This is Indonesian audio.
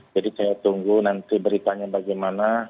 jadi saya tunggu nanti beritanya bagaimana